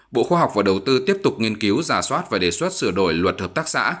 bộ khoa học và đầu tư tiếp tục nghiên cứu giả soát và đề xuất sửa đổi luật hợp tác xã